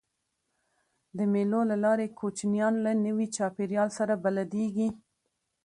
د مېلو له لاري کوچنيان له نوي چاپېریال سره بلديږي.